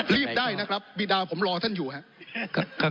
รีบได้นะครับบีดาผมรอท่านอยู่ครับ